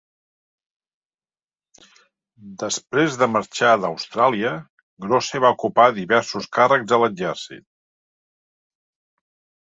Després de marxar d'Austràlia Grose va ocupar diversos càrrecs a l'exèrcit.